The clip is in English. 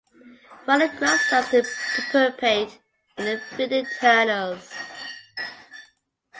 Final grub starts to pupate in the feeding tunnels.